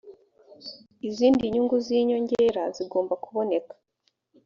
izindi nyungu z inyongera zigomba kuboneka